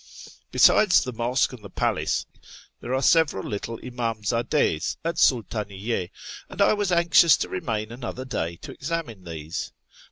Besides the mosque and the palace, there are several little imdmzdd^s at Sultiiniyye, and I was anxious to remain another day to examine these.